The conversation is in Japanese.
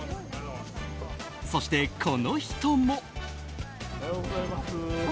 そして、この人も。